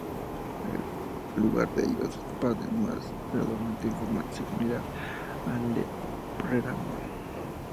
En lugar de ello, se expande más gradualmente, en forma similar al de "Pteranodon".